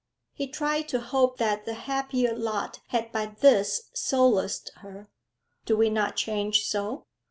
He tried to hope that the happier lot had by this solaced her. Do we not change so?